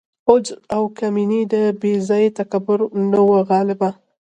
عجز او کمیني د بې ځای تکبر نه وه غالبه.